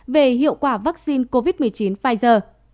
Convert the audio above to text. về hiệu quả vaccine covid một mươi chín pfizer